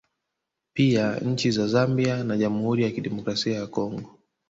Pia nchi za Zambia na Jamhuri ya Kidemokrasia ya Congo